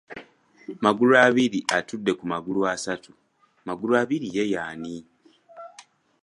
Magulu abiri atudde ku “magulu” asatu. Magulu abiri ye ani?